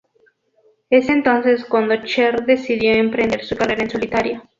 Es entonces cuando Cher decidió emprender su carrera en solitario.